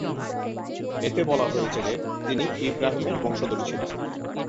এতে বলা হয়েছে যে তিনি ইব্রাহিমের বংশধর ছিলেন।